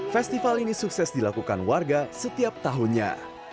festival ini sukses dilakukan warga setiap tahunnya